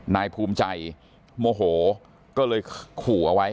นายภูมิใจโมโหก็เลยขู่เอาไว้